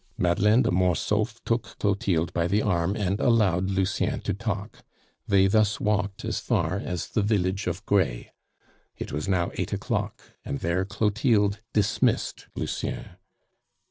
Madeleine de Mortsauf took Clotilde by the arm and allowed Lucien to talk. They thus walked on as far as the village of Grez. It was now eight o'clock, and there Clotilde dismissed Lucien.